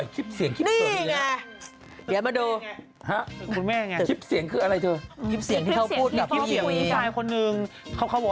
ติดแฮชแท็กต์แล้ว